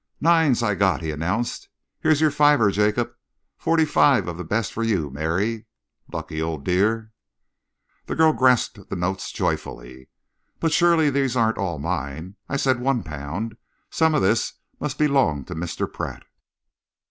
"Nines I got," he announced. "Here's your fiver, Jacob. Forty five of the best for you, Mary. Lucky old dear!" The girl grasped the notes joyfully. "But surely these aren't all mine? I said one pound. Some of this must belong to Mr. Pratt?"